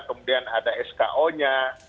kemudian ada sko nya